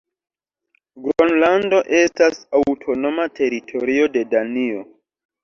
Gronlando estas aŭtonoma teritorio de Danio.